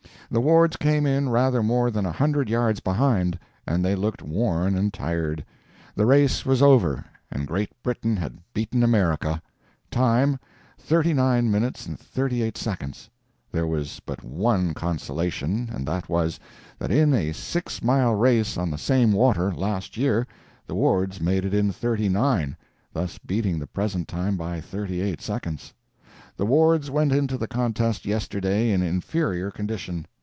The Wards came in rather more than a hundred yards behind—and they looked worn and tired. The race was over, and Great Britain had beaten America. Time, 39:38. there was but one consolation, and that was, that in a six mile race on the same water, last year, the Wards made it in 39, thus beating the present time by 38 seconds. The Wards went into the contest yesterday in inferior condition.